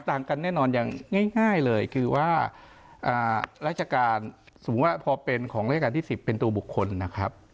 ต่างกันแน่นอนอย่างง่ายเลยคือว่าราชการสมมุติว่าพอเป็นของราชการที่๑๐เป็นตัวบุคคลนะครับ